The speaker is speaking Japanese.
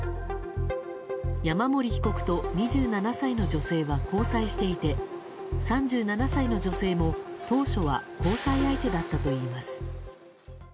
山森被告と２７歳の女性は交際していて３７歳の女性も当初は交際相手だったといいます。